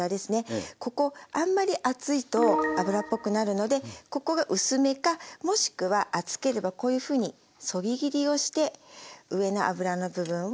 ここあんまり厚いと脂っぽくなるのでここが薄めかもしくは厚ければこういうふうにそぎ切りをして上の脂の部分を少し薄くしてあげると仕上がりがさっぱりしてきます。